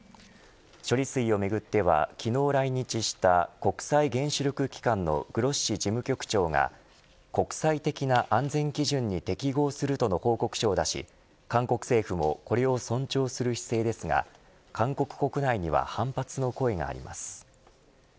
処理水をめぐっては昨日来日した国際原子力機関のグロッシ事務局長が国際的な安全基準に適合するとの報告書を出し韓国政府もこれを尊重する姿勢ですが韓国国内には反発の声があります。